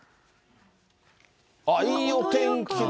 あっ、いいお天気だ。